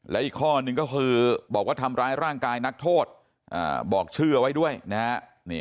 และอีกข้อหนึ่งก็คือบอกว่าทำร้ายร่างกายนักโทษบอกชื่อเอาไว้ด้วยนะฮะ